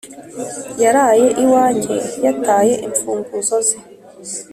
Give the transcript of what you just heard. Yaraye iwanjye yataye imfunguzo ze